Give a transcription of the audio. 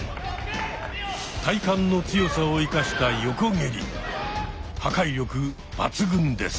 体幹の強さを生かした破壊力抜群です。